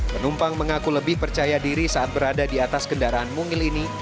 penumpang mengaku lebih percaya diri saat berada di atas kendaraan mungil ini